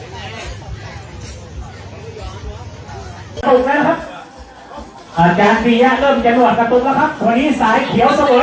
ตัวนี้มีสิทธิ์ทำได้สักปีนี้ขออาจารย์นะอาจารย์